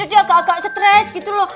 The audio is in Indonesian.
jadi agak agak stres gitu loh